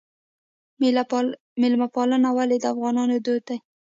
میلمه پالنه ولې د افغانانو دود دی؟